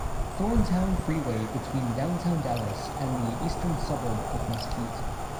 Thornton Freeway between downtown Dallas and the eastern suburb of Mesquite.